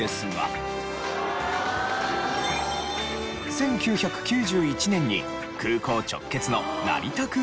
１９９１年に空港直結の成田空港駅が完成し。